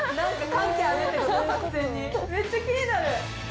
めっちゃ気になる。